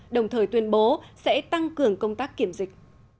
đồng thời tuyên bố sẽ tăng cường công tác kiểm dịch